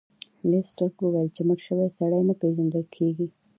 لیسټرډ وویل چې مړ شوی سړی نه پیژندل کیږي.